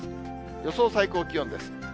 予想最高気温です。